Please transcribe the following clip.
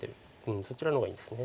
そちらの方がいいです。